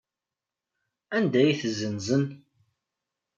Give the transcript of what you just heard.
Anda ay ten-ssenzen?